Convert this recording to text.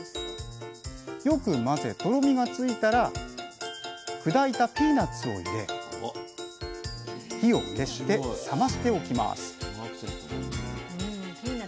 よく混ぜとろみがついたら砕いたピーナツを入れ火を消して冷ましておきます